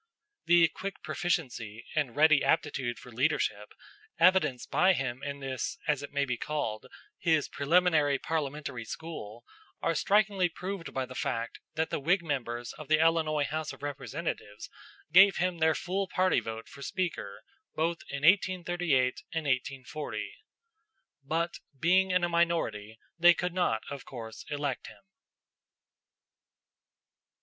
The quick proficiency and ready aptitude for leadership evidenced by him in this, as it may be called, his preliminary parliamentary school are strikingly proved by the fact that the Whig members of the Illinois House of Representatives gave him their full party vote for Speaker, both in 1838 and 1840. But being in a minority, they could not, of course, elect him.